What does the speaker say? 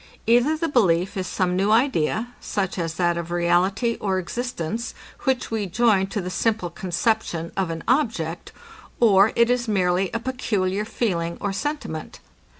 Either the belief is some new idea, such as that of reality or existence, which we join to the simple conception of an object, or it is merely a peculiar feeling or sentiment.